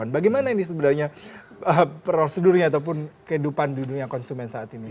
bagaimana ini sebenarnya prosedurnya ataupun kehidupan di dunia konsumen saat ini